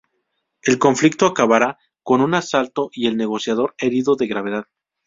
El conflicto acabará con un asalto y el negociador herido de gravedad.